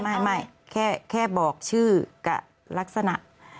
ไม่แค่บอกชื่อกับลักษณะ